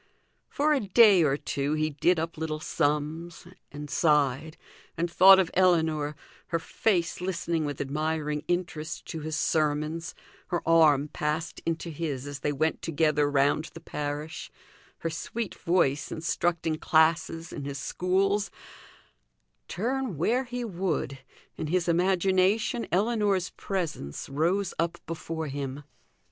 For a day or two he did up little sums, and sighed, and thought of Ellinor, her face listening with admiring interest to his sermons, her arm passed into his as they went together round the parish; her sweet voice instructing classes in his schools turn where he would, in his imagination Ellinor's presence rose up before him.